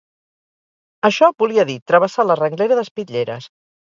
Això volia dir travessar la renglera d'espitlleres